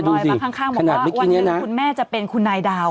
เมื่อกี้ได้ยินแองจี้มีเสียงลอยมาข้างข้างว่าวันหนึ่งคุณแม่จะเป็นคุณนายดาว